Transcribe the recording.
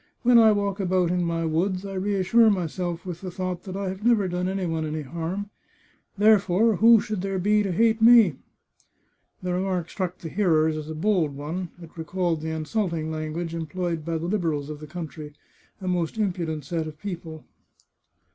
" When I walk about in my woods, I reassure myself with the thought that I have never done any one any harm ; therefore, who should there be to hate me ?" The remark struck the hearers as a bold one; it recalled the insulting langfuage employed by the Liberals of the country, a most impudent set of people.